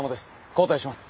交代します。